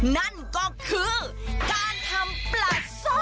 นั่นก็คือการทำปลาส้ม